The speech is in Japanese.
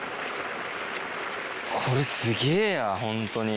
これすげぇやホントに。